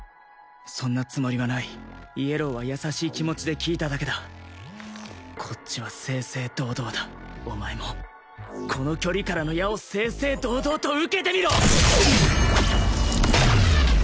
そんなつもりはないイエローは優しい気持ちで聞いただけだこっちは正々堂々だお前もこの距離からの矢を正々堂々と受けてみろ！